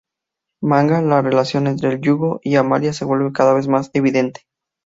Manga: la relación entre el Yugo y Amalia se vuelve cada vez más evidente.